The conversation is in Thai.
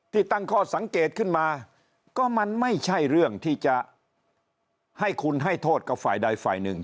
ตั้งข้อสังเกตขึ้นมาก็มันไม่ใช่เรื่องที่จะให้คุณให้โทษกับฝ่ายใดฝ่ายหนึ่ง